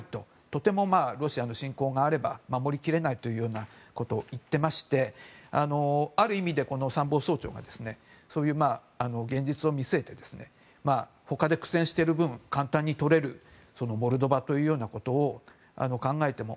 とてもロシアの侵攻があれば守り切れないということを言っていまして、ある意味で参謀総長が現実を見据えて他で苦戦してる分簡単にとれるモルドバというようなことを考えても。